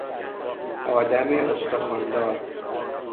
آدم استخوان دار